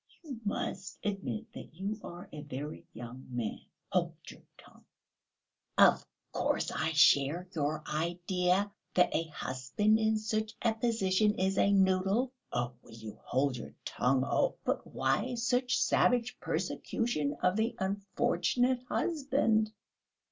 "You must admit that you are a very young man." "Hold your tongue!" "Of course I share your idea, that a husband in such a position is a noodle." "Oh, will you hold your tongue? Oh!..." "But why such savage persecution of the unfortunate husband?..."